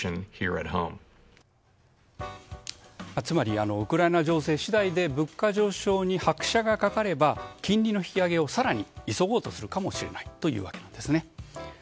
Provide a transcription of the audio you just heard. つまり、ウクライナ情勢次第で物価上昇に拍車がかかれば金利の引き上げを更に急ごうとするかもしれないということなんですね。